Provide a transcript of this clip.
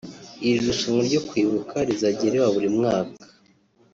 Iri rushanwa ryo kwibuka rizajya riba muri mwaka